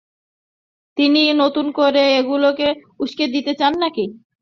তিনি নতুন করে এগুলোকে উষ্কে দিতে চান নি।